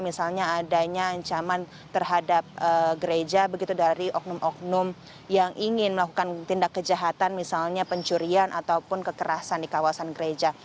misalnya adanya ancaman terhadap gereja begitu dari oknum oknum yang ingin melakukan tindak kejahatan misalnya pencurian ataupun kekerasan di kawasan gereja